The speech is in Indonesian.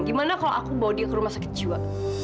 gimana kalau aku bawa dia ke rumah sakit jiwa